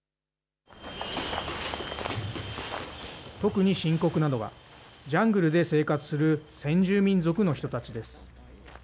特に深刻なのは、ジャングルで生活する先住民族の人たちです。